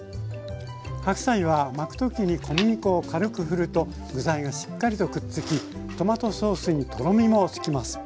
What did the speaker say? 白菜は巻く時に小麦粉を軽くふると具材がしっかりとくっつきトマトーソースにとろみもつきます。